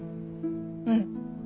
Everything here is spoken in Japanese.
うん。